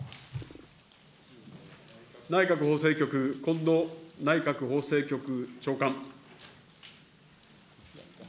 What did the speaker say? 内閣法制局近藤内閣法制局長官。